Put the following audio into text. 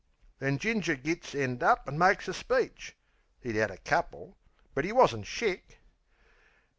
Then Ginger gits end up an' makes a speech ('E'd 'ad a couple, but 'e wasn't shick.)